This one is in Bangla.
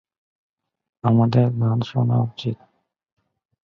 আমাদের গান শোনা উচিত।